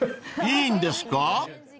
［いいんですか？］